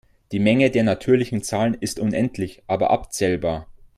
Die Menge der natürlichen Zahlen ist unendlich aber abzählbar.